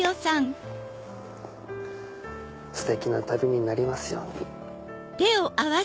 ステキな旅になりますように。